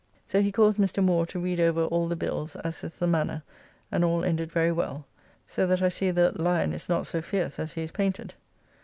So he caused Mr. Moore to read over all the bills as is the manner, and all ended very well. So that I see the Lyon is not so fierce as he is painted.